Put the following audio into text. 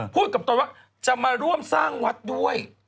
พูดกับตนว่าจะมาร่วมสร้างวัดด้วย